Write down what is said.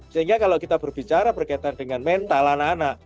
sehingga kalau kita berbicara berkaitan dengan mental anak anak